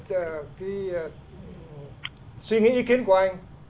cái suy nghĩ ý kiến của anh